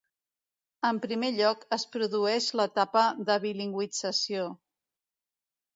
En primer lloc, es produeix l'etapa de bilingüització.